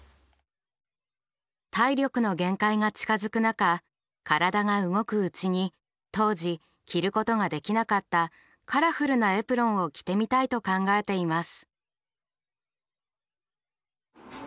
体力の限界が近づく中体が動くうちに当時着ることができなかったカラフルなエプロンを着てみたいと考えています。